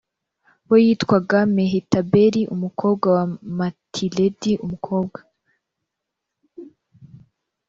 we yitwaga mehetabeli umukobwa wa matiredi umukobwa